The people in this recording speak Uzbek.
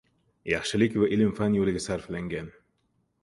yaxshilik va ilm-fan yo‘liga sarflagan.